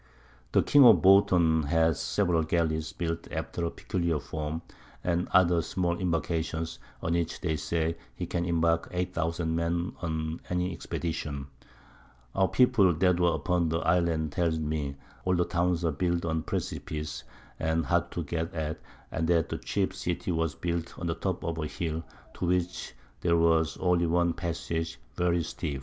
The King of Bouton has several Galleys built after a peculiar Form, and other small Imbarkations, on which, they say, he can imbark eight Thousand Men on any Expedition; our People that were upon the Island tell me, all their Towns are built on Precipices, and hard to get at, and that the Chief City was built on the Top of a Hill, to which there was only one Passage very steep.